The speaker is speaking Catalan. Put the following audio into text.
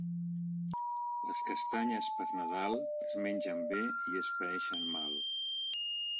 Les castanyes per Nadal es mengen bé i es paeixen mal.